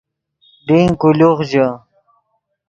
ڈین کولوخ ژے